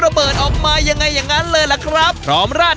ระเบิดออกมาอย่างไรอย่างงั้นเลยแหละครับตรอมราศจ์